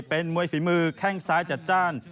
เป็นมวยฝีมือแข้งซ้ายจัดจ้าน